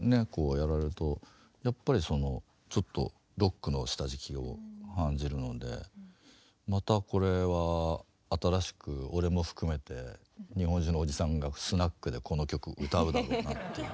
やられるとやっぱりそのちょっとロックの下敷きを感じるのでまたこれは新しく俺も含めて日本中のおじさんがスナックでこの曲歌うだろうなっていう。